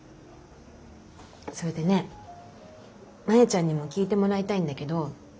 それでねマヤちゃんにも聞いてもらいたいんだけど。